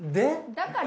だから？